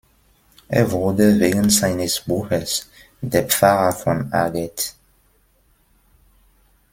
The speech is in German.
Er wurde wegen seines Buches „Der Pfarrer von Arget.